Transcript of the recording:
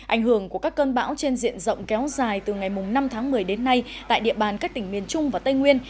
ảnh hưởng của các cơn bão trên diện rộng kéo dài từ ngày năm tháng một mươi đến nay tại địa bàn các tỉnh miền trung và tây nguyên